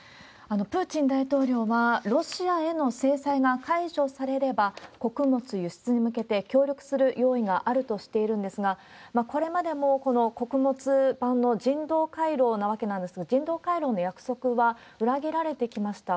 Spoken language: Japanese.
プーチン大統領は、ロシアへの制裁が解除されれば、穀物輸出に向けて協力する用意があるとしているんですが、これまでもこの穀物版の人道回廊なわけなんですけれども、人道回廊の約束は裏切られてきました。